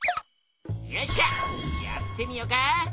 よっしゃやってみよか！